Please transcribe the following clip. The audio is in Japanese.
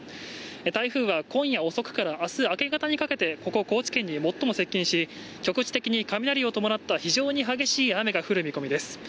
台風は今夜遅くから明日、明け方にかけてここ高知県に最も接近し、局地的に雷を伴った非常に激しい雨が降る見込みです。